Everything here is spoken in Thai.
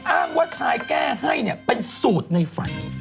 อ้างว่าชายแก้ให้เป็นสูตรในฝน